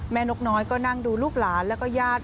นกน้อยก็นั่งดูลูกหลานแล้วก็ญาติ